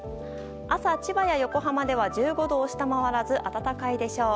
朝、千葉や横浜では１５度を下回らず暖かいでしょう。